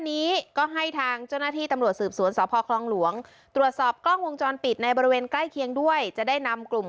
นี้ก็ให้ทางเจ้าหน้าที่ตำรวจสืบสวนสพคลองหลวงตรวจสอบกล้องวงจรปิดในบริเวณใกล้เคียงด้วยจะได้นำกลุ่ม